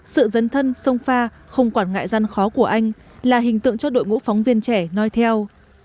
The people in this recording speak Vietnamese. sự dấn thân sông pha không quản ngại gian khó của anh là hình tượng cho đội ngũ phóng viên trẻ nói theo